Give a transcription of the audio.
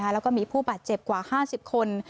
แล้วก็มีผู้บาดเจ็บกว่า๕๐คน